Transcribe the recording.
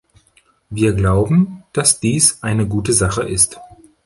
Wir glauben, dass dies eine gute Sache ist.